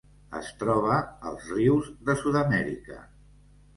Es troba als rius de Sud-amèrica.